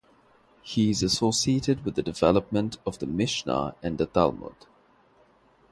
He is associated with the development of the Mishnah and the Talmud.